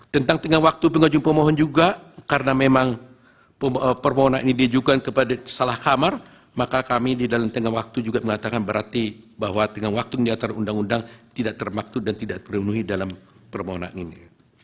tentang tengah waktu pengunjung pemohon juga karena memang permohonan ini diajukan kepada salah kamar maka kami di dalam tengah waktu juga mengatakan berarti bahwa dengan waktu diantar undang undang tidak termaktud dan tidak terpenuhi dalam permohonan ini